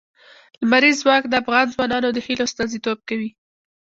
لمریز ځواک د افغان ځوانانو د هیلو استازیتوب کوي.